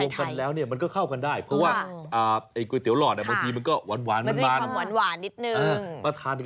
มันจะเข้ากันได้ยังไงห้องเต้กับยำมะม่วงแบบไทย